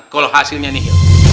kalau hasilnya nih